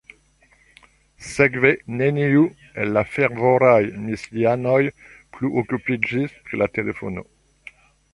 Sekve neniu el la fervoraj misianoj plu okupiĝis pri la telefono.